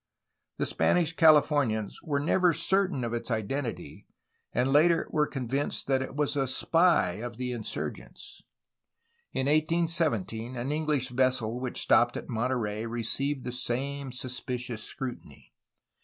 The Spanish Cali fornians were never certain of its identity, and later were convinced that it was a spy of the insm gents. In 1817 an English vessel which stopped at Monterey received the same suspicious scrutiny.